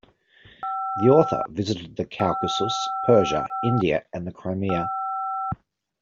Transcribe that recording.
The author visited the Caucasus, Persia, India and the Crimea.